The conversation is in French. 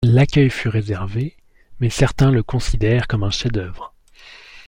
L'accueil fut réservé, mais certains le considèrent comme un chef-d'œuvre.